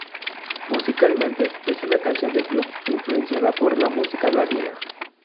Musicalmente, es una canción de club, influenciada por la música latina.